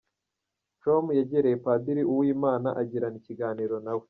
com yegereye Padiri Uwimana igirana ikiganiro nawe.